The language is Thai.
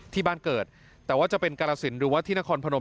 ที่บ้านเกิดแต่ว่าจะเป็นกรสินหรือว่าที่นครพนม